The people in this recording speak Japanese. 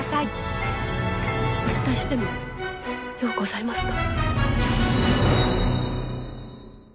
お慕いしてもようございますか。